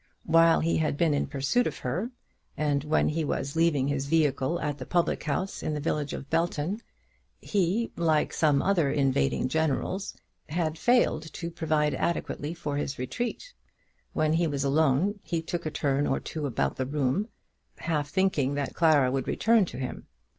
While he had been in pursuit of her, and when he was leaving his vehicle at the public house in the village of Belton, he, like some other invading generals, had failed to provide adequately for his retreat. When he was alone he took a turn or two about the room, half thinking that Clara would return to him.